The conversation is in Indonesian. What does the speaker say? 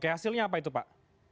hasilnya apa itu pak